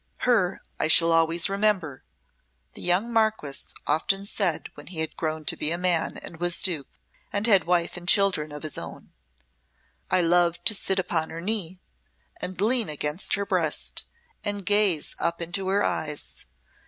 "Her I shall always remember," the young Marquess often said when he had grown to be a man and was Duke, and had wife and children of his own. "I loved to sit upon her knee, and lean against her breast, and gaze up into her eyes.